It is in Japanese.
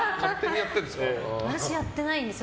私はやってないんですよ。